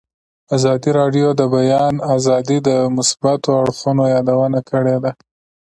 ازادي راډیو د د بیان آزادي د مثبتو اړخونو یادونه کړې.